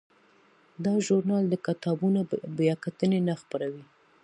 دا ژورنال د کتابونو بیاکتنې نه خپروي.